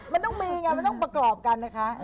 มันต้องมีไงมันต้องประกอบกันนะคะ